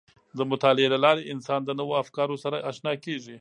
د مطالعې له لارې انسان د نوو افکارو سره آشنا کیږي.